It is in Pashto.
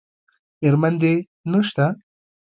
میرمن دې نشته؟